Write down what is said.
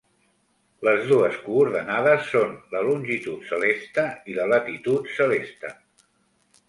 Les dues coordenades són la longitud celeste i la latitud celeste.